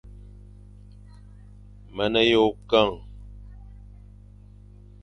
Me ne yʼôkeñ,